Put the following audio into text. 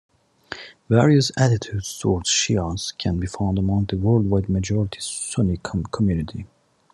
Various attitudes towards Shias can be found among the worldwide majority Sunni community.